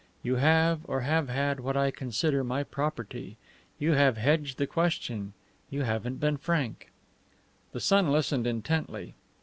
You have, or have had, what I consider my property. You have hedged the question; you haven't been frank." The son listened intently.